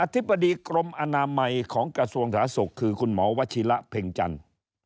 อธิบดีกรมอาณาใหม่ของกระทรวงศาสกคือคุณหมอวชิละเพ็งจันทร์